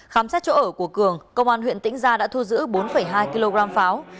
khám xét chỗ ở của cường công an huyện tĩnh gia đã thu giữ bốn hai kg pháo